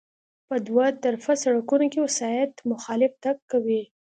په دوه طرفه سړکونو کې وسایط مخالف تګ کوي